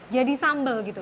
jadi sambal gitu